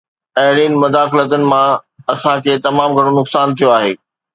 اهڙين مداخلتن مان اسان کي تمام گهڻو نقصان ٿيو آهي.